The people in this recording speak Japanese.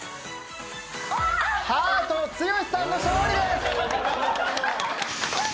ハート剛さんの勝利です！